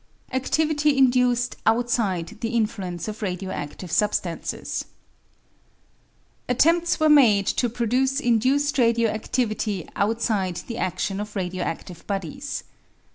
Activity Induced Outside the Influence of Radio active Substances. Attempts were made to produce induced radio adivity outside the adion of radio adive bodies.